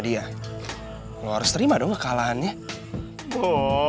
dia lu harus terima apa ya ini kita gue kacau kacau apa ini juga gue kacau ini juga gue kacau kacau